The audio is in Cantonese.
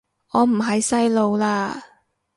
我唔係細路喇